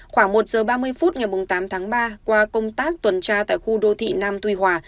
khoảng một giờ ba mươi phút ngày tám tháng ba qua công tác tuần tra tại khu đô thị nam tuy hòa